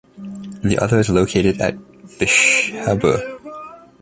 The other is located at Bishapur.